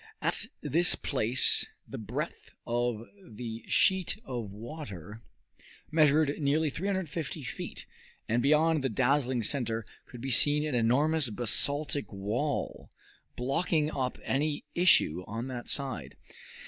At this place the breadth of the sheet of water measured nearly 350 feet, and beyond the dazzling center could be seen an enormous basaltic wall, blocking up any issue on that side.